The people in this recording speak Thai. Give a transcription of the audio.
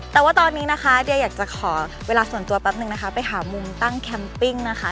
แต่ว่าตอนนี้นะคะจะอยากจะขอเวลาส่วนตัวไปถามงตังค์แคมปปิ้งนะคะ